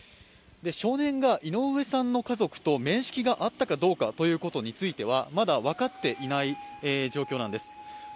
少年が井上さんの家族と面識があったかどうかということについてはまだ分かっていない状況なんです。